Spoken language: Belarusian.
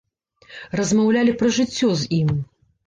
Размаўлялі пра жыццё з ім.